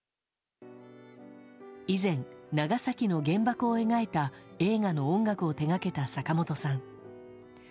以前、長崎の原爆を描いた音楽の映画を手掛けた坂本さん。